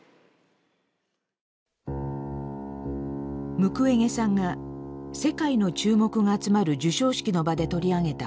ムクウェゲさんが世界の注目が集まる授賞式の場で取り上げた報告書。